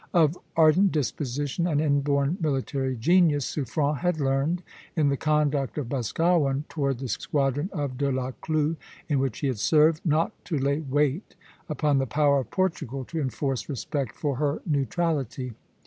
Of ardent disposition and inborn military genius, Suffren had learned, in the conduct of Boscawen toward the squadron of De la Clue, in which he had served, not to lay weight upon the power of Portugal to enforce respect for her neutrality.